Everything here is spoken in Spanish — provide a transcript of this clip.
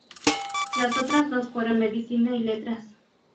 Las otras dos fueron Medicina y Letras.